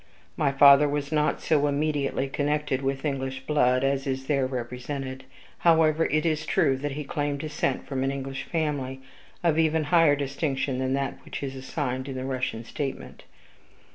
My father was not so immediately connected with English blood as is there represented. However, it is true that he claimed descent from an English family of even higher distinction than that which is assigned in the Russian statement.